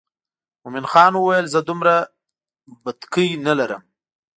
مومن خان وویل زه دومره بتکۍ نه لرم.